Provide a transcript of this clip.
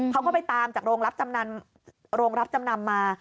เขาก็ไปตามจากโรงรับจำนำมา